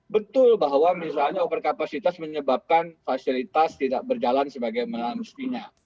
betul bahwa misalnya over kapasitas menyebabkan fasilitas tidak berjalan sebagaimana mestinya